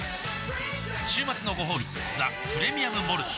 週末のごほうび「ザ・プレミアム・モルツ」